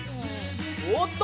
おっと！